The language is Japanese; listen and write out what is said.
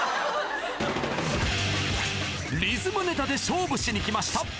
リズムネタで勝負しに来ました